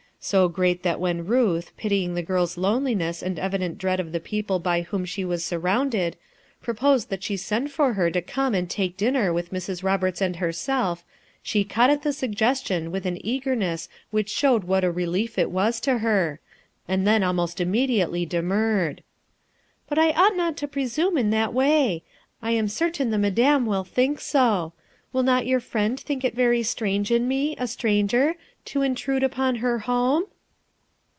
So great that when Ruth, pitying the girls loneliness and evident dread of the people by whom she was surrounded proposed that she send for her to come and take dinner with Mrs. Roberts and herself, she caught at the suggestion with an eagerness which showed what a relief it was to her; and then almost immediately demurred. "But I ought not to presume in that way. I am certain the Madame will think so. Will not your friend think it very strange in me, a stranger, to intrude upon her home?'